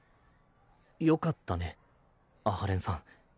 よかったね阿波連さん。